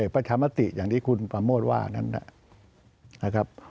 ประชามติอย่างที่คุณประโมทว่านั้นนะครับ